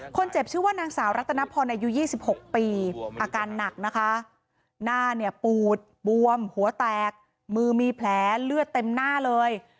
ชื่อว่านางสาวรัตนพรอายุ๒๖ปีอาการหนักนะคะหน้าเนี่ยปูดบวมหัวแตกมือมีแผลเลือดเต็มหน้าเลย